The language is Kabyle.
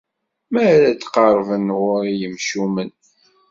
Mi ara d-qerrben ɣur-i yimcumen.